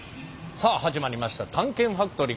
さあ始まりました「探検ファクトリー」。